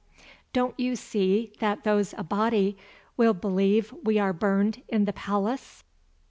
Don't you see that those Abati will believe we are burned in the palace?"